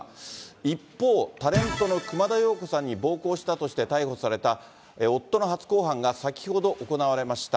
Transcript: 一方、タレントの熊田曜子さんに暴行したとして逮捕された夫の初公判が、先ほど行われました。